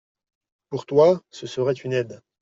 Pour toi, ce serait une aide.